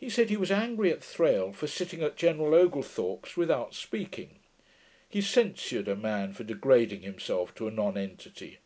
He said, he was angry at Thrale, for sitting at General Oglethorpe's without speaking. He censured a man for degrading himself to a non entity.